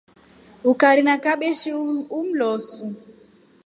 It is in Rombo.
Ukari na kabeshi ulosu.